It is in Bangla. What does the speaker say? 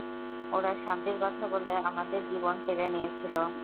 ওরা শান্তির কথা বলে আমাদের জীবন কেড়ে নিয়েছিল।